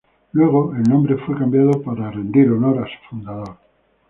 Luego el nombre fue cambiado para rendir honor a su fundador.